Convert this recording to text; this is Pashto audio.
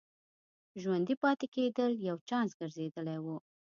ژوندي پاتې کېدل یو چانس ګرځېدلی و.